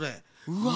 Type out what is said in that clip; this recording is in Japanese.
うわ。